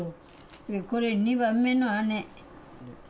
これ、２番目の姉。